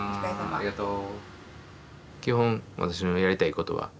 ありがとう。